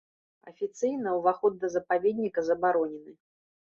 Афіцыйна ўваход да запаведніка забаронены.